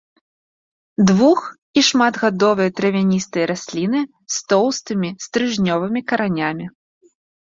Двух- і шматгадовыя травяністыя расліны з тоўстымі стрыжнёвымі каранямі.